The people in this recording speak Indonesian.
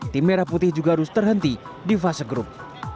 tim merah putih juga harus terhenti di fase grup